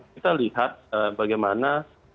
kita lihat bagaimana